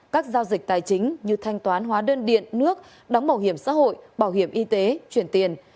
các giao dịch tài chính như thanh toán hóa đơn điện nước đóng bảo hiểm xã hội bảo hiểm y tế chuyển tiền